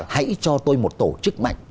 hãy cho tôi một tổ chức mạnh